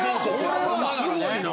これはすごいな。